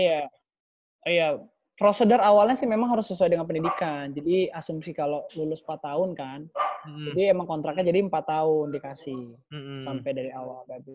iya prosedur awalnya sih memang harus sesuai dengan pendidikan jadi asumsi kalau lulus empat tahun kan itu emang kontraknya jadi empat tahun dikasih sampai dari awal